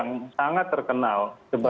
istilah yang sangat terkenal